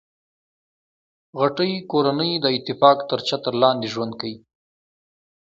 غټۍ کورنۍ د اتفاق تر چتر لاندي ژوند کیي.